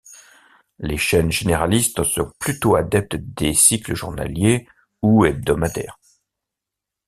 Les chaînes généralistes sont plutôt adeptes des cycles journaliers ou hebdomadaires.